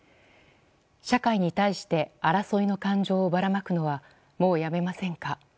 社会に対して争いの感情をばらまくのはもうやめませんか。